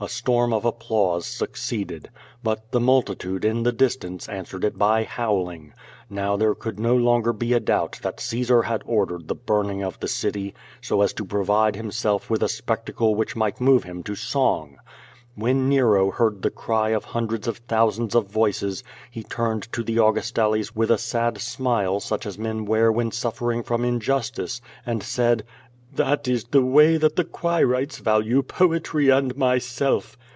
A storm of applause succeeded. But the multitude in the distance answered it by howling. Now there could no longer be a doubt that Caesar had ordered the burning of the city, so as to provide himself with a spectacle which might move him to song. A\nien Xero heard the cry of hundreds of thousands of voices, he turned to the Augustales with a sad smile such as men wear when suffering from injustice^ and said: QUO VADI8. 343 "That is the way that the Quirites value poetry and my self."